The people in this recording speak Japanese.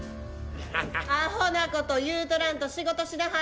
アホなこと言うとらんと仕事しなはれ。